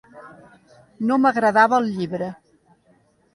No m'agradava el llibre.